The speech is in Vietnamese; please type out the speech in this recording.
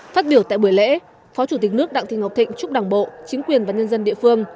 phát biểu tại buổi lễ phó chủ tịch nước đặng thị ngọc thịnh chúc đảng bộ chính quyền và nhân dân địa phương